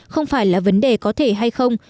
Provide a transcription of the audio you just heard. không phải là vấn đề có thể hay không